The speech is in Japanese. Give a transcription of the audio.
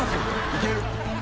いける。